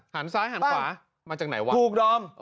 หันซ้ายหันขวามาจากไหนวะ